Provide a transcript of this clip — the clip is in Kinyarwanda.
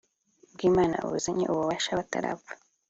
Bw imana buzanye ububasha batarapfa